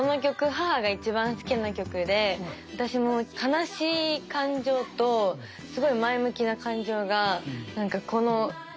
母が一番好きな曲で私も悲しい感情とすごい前向きな感情がこの１曲に両方詰まってて。